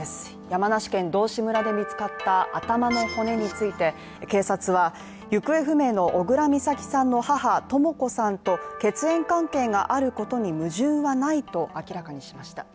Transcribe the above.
山梨県道志村で見つかった頭の骨について、警察は行方不明の小倉美咲さんの母、とも子さんと血縁関係があることに矛盾はないと明らかにしました。